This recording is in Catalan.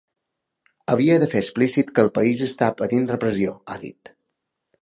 “Havia de fer explícit que el país està patint repressió”, ha dit.